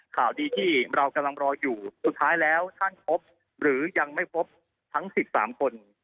ข่าวดีที่เรากำลังรออยู่สุดท้ายแล้วท่านพบหรือยังไม่พบทั้ง๑๓คน